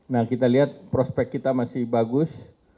nah kita lihat prospek kita masih bagus